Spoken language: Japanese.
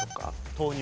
豆乳。